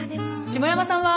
下山さんは。